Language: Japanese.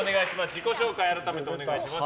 自己紹介を改めてお願いします。